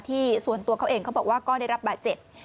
ส่วนตัวเขาเองเขาบอกว่าก็ได้รับบาดเจ็บ